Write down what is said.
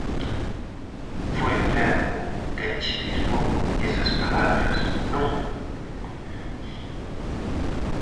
Foi o demo quen che bisbou esas palabras, non?